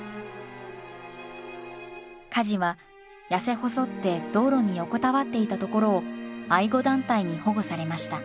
カジは痩せ細って道路に横たわっていたところを愛護団体に保護されました。